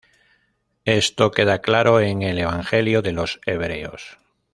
Esto queda claro en el Evangelio de los hebreos.